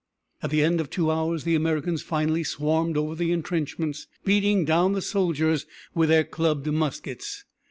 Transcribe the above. At the end of two hours the Americans finally swarmed over the intrenchments, beating down the soldiers with their clubbed muskets.